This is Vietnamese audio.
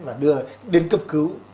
và đưa đến cấp cứu